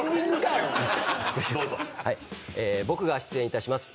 僕が出演致します